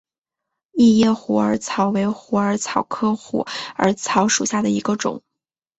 异叶虎耳草为虎耳草科虎耳草属下的一个种。